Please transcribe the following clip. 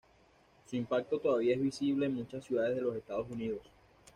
Su impacto todavía es visible en muchas ciudades de los Estados Unidos.